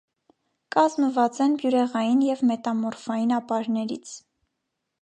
Կազմված են բյուրեղային և մետամորֆային ապարներից։